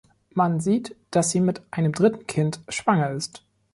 Man sieht, dass sie mit einem dritten Kind schwanger ist.